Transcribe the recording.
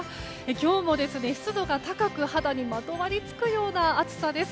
今日も、湿度が高く肌にまとわりつくような暑さです。